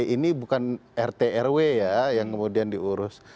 ini bukan rtrw ya yang kemudian diurus